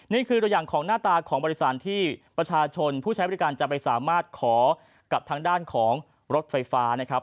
นี่คือตัวอย่างของหน้าตาของบริษัทที่ประชาชนผู้ใช้บริการจะไปสามารถขอกับทางด้านของรถไฟฟ้านะครับ